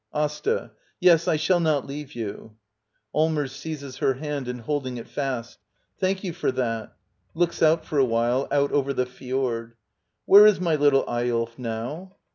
"AsTxr Yes, I shall not leave you. Allmers. [Seizes her hand and holding it fast.] Thank you for that! [Looks out, for a while, out over the fjord.] Where is my little Eyolf now?